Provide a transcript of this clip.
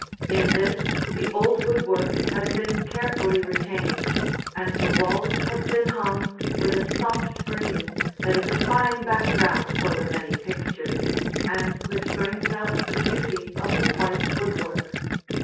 In this the old woodwork has been carefully retained, and the walls have been hung with a soft green that is a fine background for the many pictures and which brings out the beauty of the white woodwork.